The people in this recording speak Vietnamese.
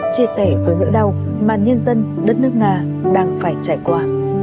chia sẻ với nỗi đau mà nhân dân đất nước nga đang phải trải qua